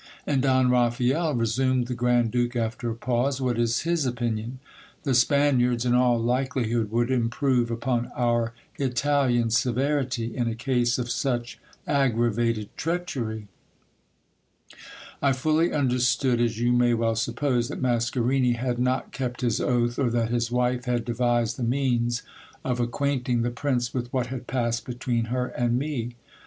And Don Raphael, resumed the grand duke after a pause, what is his opinion ? The Spaniards, in all likeli hood, would improve upon our Italian severity, in a case of such aggravated treachery. I fully understood, as you may well suppose, that Mascarini had not kept his oath, or that his wife had devised the means of acquainting the prince with what had passed between her and me.